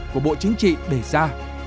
của bộ chính trị đề ra